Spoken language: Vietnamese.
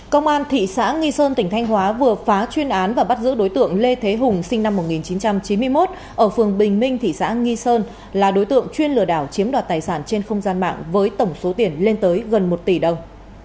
công an thị xã nghi sơn tỉnh thanh hóa vừa phá chuyên án và bắt giữ đối tượng lê thế hùng sinh năm một nghìn chín trăm chín mươi một ở phường bình minh thị xã nghi sơn là đối tượng chuyên lừa đảo chiếm đoạt tài sản trên không gian mạng với tổng số tiền lên tới gần một tỷ đồng